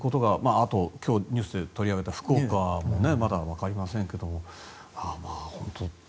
あと、今日ニュースで取り上げた福岡もまだわかりませんけども本当。